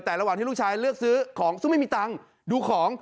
แต่ระหว่างที่ลูกชายเลือกซื้อของซึ่งไม่มีตังค์ดูของ